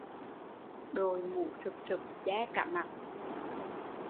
Đội mũ sụp sụp che cả mặt